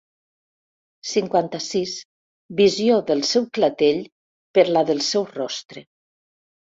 Cinquanta-sis visió del seu clatell per la del seu rostre.